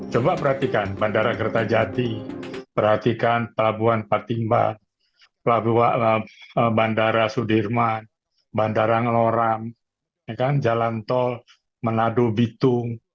coba perhatikan bandara kertajati perhatikan pelabuhan patimba pelabuhan bandara sudirman bandara ngeloram jalan tol manado bitung